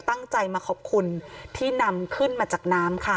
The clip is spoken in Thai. ตั้งใจมาขอบคุณที่นำขึ้นมาจากน้ำค่ะ